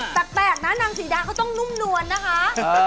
แปลกนะนางศรีดาเขาต้องนุ่มนวลนะคะ